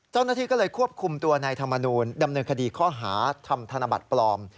เจ้าหน้าที่ก็เลยควบคุมตัวนายธรรมนูลดำเนินคดีข้อหาทำธนบัตรปลอม